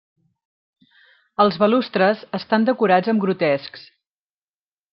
Els balustres estan decorats amb grotescs.